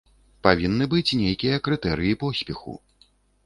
Павінны быць нейкія крытэрыі поспеху.